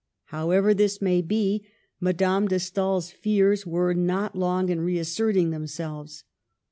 However this may be, Madame de Stael's fears were not long in reasserting themselves.